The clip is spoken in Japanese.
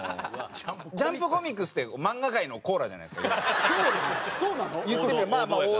ジャンプコミックスってマンガ界のコーラじゃないですか要は。